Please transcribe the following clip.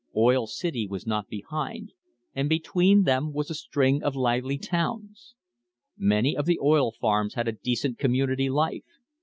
Oil City was not behind, and between them was a string of lively towns. Many of the oil farms had a decent community life.